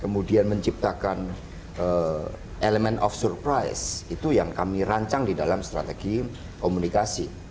kemudian menciptakan elemen of surprise itu yang kami rancang di dalam strategi komunikasi